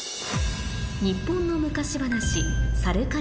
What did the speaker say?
日本の昔話